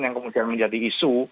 yang kemudian menjadi isu